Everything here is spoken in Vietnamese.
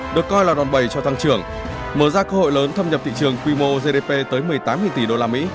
được coi là đòn bầy cho tăng trưởng mở ra cơ hội lớn thâm nhập thị trường quy mô gdp tới một mươi tám tỷ usd